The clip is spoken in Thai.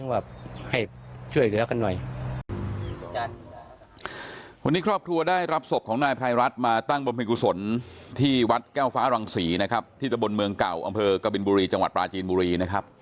วันนี้ครอบครัวได้รับศพของนายไพรรัฐมาตั้งบำเพ็ญกุศลที่วัดแก้วฟ้ารังศรีนะครับที่ตะบนเมืองเก่าอำเภอกบินบุรีจังหวัดปลาจีนบุรีนะครับ